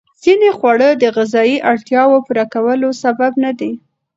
ځینې خواړه د غذایي اړتیاوو پوره کولو سبب ندي.